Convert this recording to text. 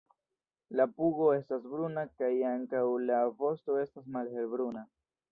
La pugo estas bruna kaj ankaŭ la vosto estas malhelbruna.